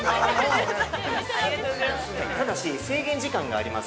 ◆ただし制限時間があります。